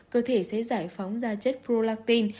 cơ thể sẽ giải phóng da chất prolactin